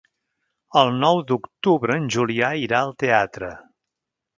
El nou d'octubre en Julià irà al teatre.